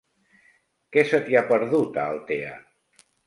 Què se t'hi ha perdut, a Altea?